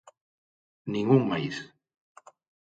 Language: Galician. Nin un máis.